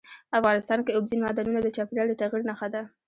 افغانستان کې اوبزین معدنونه د چاپېریال د تغیر نښه ده.